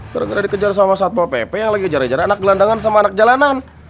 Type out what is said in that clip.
gara gara dikejar sama satu opp yang lagi kejar kejar anak gelandangan sama anak jalanan